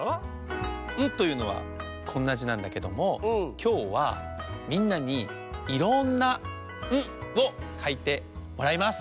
「ん」というのはこんな「じ」なんだけどもきょうはみんなにいろんな「ん」をかいてもらいます。